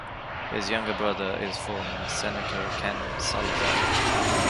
His younger brother is former Senator Ken Salazar.